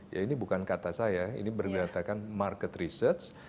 ya ini bukan kata saya ini berdasarkan market research